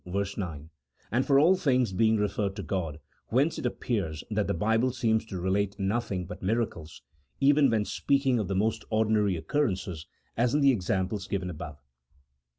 9, and for all things being referred to God, whence it appears that the Bible seems to relate nothing but miracles, even when speaking of the most ordinary oc currences, as in the examples given above.